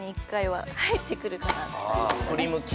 振り向き。